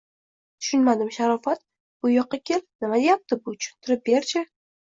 - Tushunmadim!! Sharofat, bu yoqqa kel! Nima deyapti bu, tushuntirib ber-chi?!